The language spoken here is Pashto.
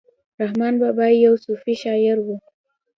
رحمان بابا يو صوفي شاعر وو.